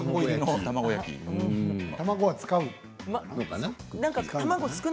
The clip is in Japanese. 卵は使うのかな？